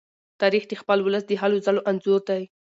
تاریخ د خپل ولس د هلو ځلو انځور دی.